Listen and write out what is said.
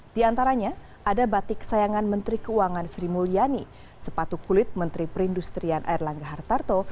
di antaranya ada batik sayangan menteri keuangan sri mulyani sepatu kulit menteri perindustrian erlangga hartarto